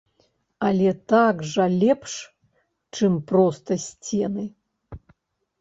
Але так жа лепш, чым проста сцены.